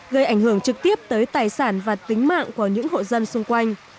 gây ảnh hưởng trực tiếp tới tài sản và tính mạng của những hộ dân xung quanh